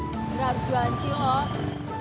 gak harus jualan cilok